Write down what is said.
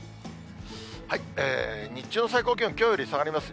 日中の最高気温、きょうより下がります。